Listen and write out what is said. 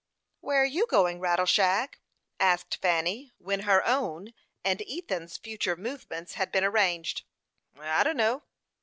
"Where are you going, Rattleshag?" asked Fanny, when her own and Ethan's future movements had been arranged. "I dunno."